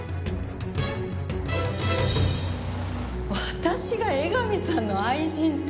私が江上さんの愛人って。